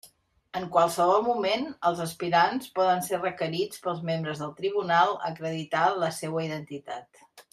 En qualsevol moment, els aspirants poden ser requerits pels membres del tribunal a acreditar la seua identitat.